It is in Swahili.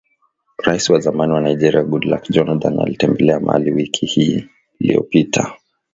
raisi wa zamani wa Nigeria Goodluck Johnathan alitembelea Mali wiki iliyopita